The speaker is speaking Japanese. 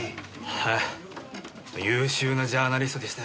はい優秀なジャーナリストでしたよ。